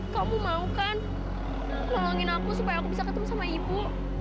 kamu mau kan ngelangin aku supaya aku bisa ketemu sama ibu